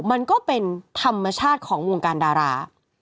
มันก็เป็นธรรมชาติของวงการดารา